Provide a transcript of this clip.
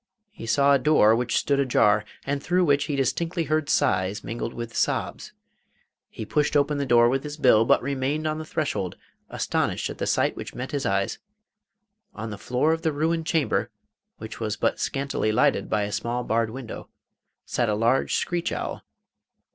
He saw a door which stood ajar, and through which he distinctly heard sighs, mingled with sobs. He pushed open the door with his bill, but remained on the threshold, astonished at the sight which met his eyes. On the floor of the ruined chamber which was but scantily lighted by a small barred window sat a large screech owl.